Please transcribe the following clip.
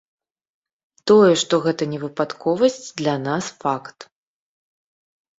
Тое, што гэта не выпадковасць для нас факт!